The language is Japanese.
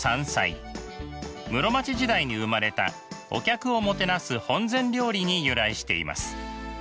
室町時代に生まれたお客をもてなす本膳料理に由来しています。